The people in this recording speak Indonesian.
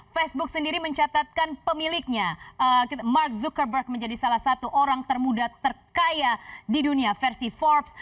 facebook sendiri mencatatkan pemiliknya mark zuckerberg menjadi salah satu orang termuda terkaya di dunia versi forbes